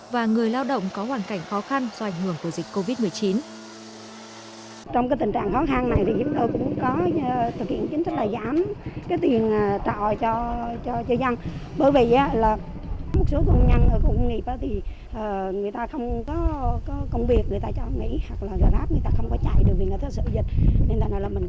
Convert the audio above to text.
và người lao động có hoàn cảnh khó khăn do ảnh hưởng của dịch covid một mươi chín